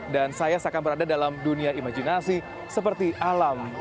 dan saya seakan berada dalam dunia imajinasi seperti alam avatar